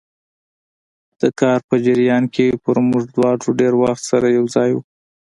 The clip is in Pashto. د کار په جریان کې به موږ دواړه ډېر وخت سره یو ځای وو.